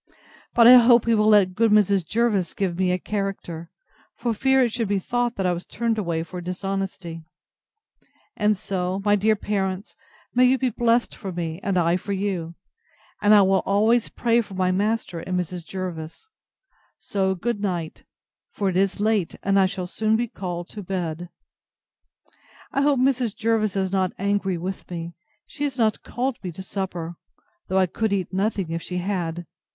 But I hope he will let good Mrs. Jervis give me a character, for fear it should be thought that I was turned away for dishonesty. And so, my dear parents, may you be blest for me, and I for you! And I will always pray for my master and Mrs. Jervis. So good night; for it is late, and I shall be soon called to bed. I hope Mrs. Jervis is not angry with me. She has not called me to supper: though I could eat nothing if she had.